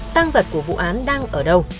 tăng vật của vụ án đang ở đâu